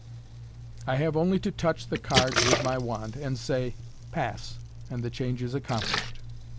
I have only to touch the cards with my wand, and say, 'Pass/ and the change is accomplished."